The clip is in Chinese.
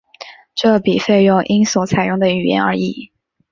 这笔费用因所采用的语言而异。